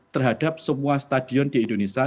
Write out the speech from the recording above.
terhadap semua stadion di indonesia